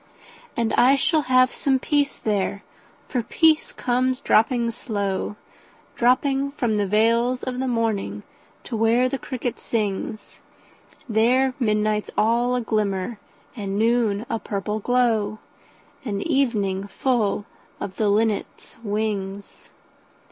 And I shall have some peace there, for peace comes dropping slow, Dropping from the veils of the morning to where the cricket sings; There midnight's all a glimmer, and noon a purple glow, And evening full of the linnet's wings.